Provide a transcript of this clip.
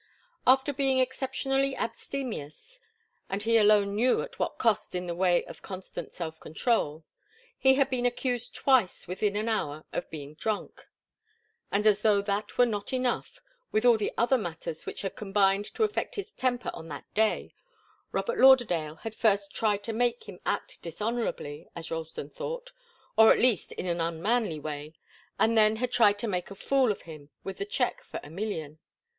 After being exceptionally abstemious, and he alone knew at what a cost in the way of constant self control, he had been accused twice within an hour of being drunk. And as though that were not enough, with all the other matters which had combined to affect his temper on that day, Robert Lauderdale had first tried to make him act dishonourably, as Ralston thought, or at least in an unmanly way, and had then tried to make a fool of him with the cheque for a million.